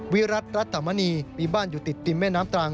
วิรัติรัตมณีมีบ้านอยู่ติดติมแม่น้ำตรัง